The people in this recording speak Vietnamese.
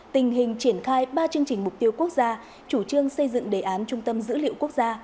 tình hình triển khai ba chương trình mục tiêu quốc gia chủ trương xây dựng đề án trung tâm dữ liệu quốc gia